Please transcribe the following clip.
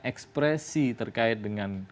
ekspresi terkait dengan